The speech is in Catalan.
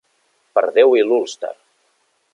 Per Déu i l'Ulster.